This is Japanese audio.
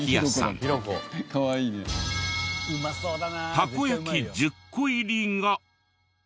たこ焼き１０個入りが。